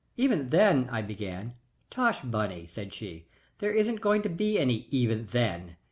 "Even then " I began. "Tush, Bunny," said she. "There isn't going to be any even then.